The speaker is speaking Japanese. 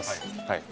はい。